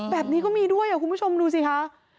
แบบนี้ก็มีด้วยคุณผู้ชมดูสิคะ